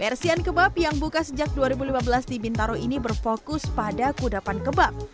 bersian kebab yang buka sejak dua ribu lima belas di bintaro ini berfokus pada kudapan kebab